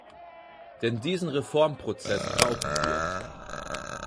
Denn diesen Reformprozess brauchen wir.